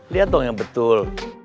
liat dong yang betul